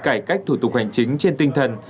cải cách thủ tục hành chính trên tinh thần